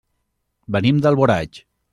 Venim d'Alboraig.